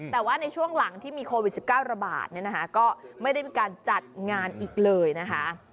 แต่ว่าในช่วงหลังที่มีโควิด๑๙ระบาดเนี่ยนะคะก็ไม่ได้มีการจัดงานอีกเลยนะคะ